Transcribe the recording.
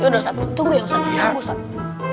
yaudah ustad tunggu ya ustad tunggu ustad